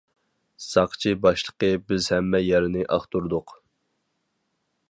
ساقچى باشلىقى بىز ھەممە يەرنى ئاختۇردۇق.